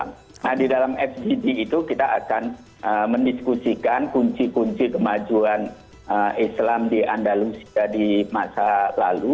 nah di dalam fgd itu kita akan mendiskusikan kunci kunci kemajuan islam di andalusia di masa lalu